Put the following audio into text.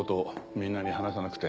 みんなに話さなくて。